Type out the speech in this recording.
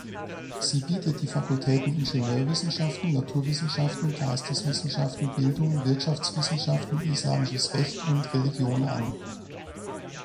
Sie bietet die Fakultäten Ingenieurwissenschaften, Naturwissenschaften, Geisteswissenschaften, Bildung, Wirtschaftswissenschaften, Islamisches Recht und Religion an.